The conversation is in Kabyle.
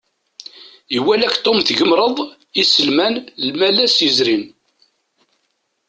Iwala-k Tom tgemreḍ iselman Imalas yezrin.